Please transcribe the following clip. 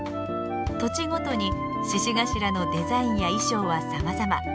土地ごとに鹿頭のデザインや衣装はさまざま。